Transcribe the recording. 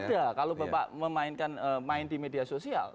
tidak kalau bapak memainkan main di media sosial